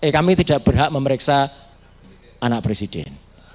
kami tidak berhak memeriksa anak presiden